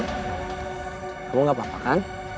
kamu gak apa apa kan